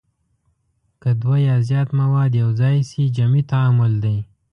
که دوه یا زیات مواد یو ځای شي جمعي تعامل دی.